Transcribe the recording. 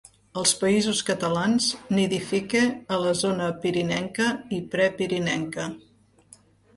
Als Països Catalans nidifica a la zona pirinenca i prepirinenca.